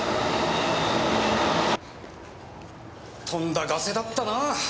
とんだガセだったなぁ。